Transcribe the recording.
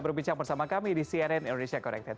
berbincang bersama kami di cnn indonesia connected